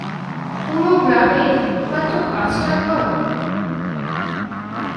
পুরো গ্রামে মাত্র পাঁচটা ঘর।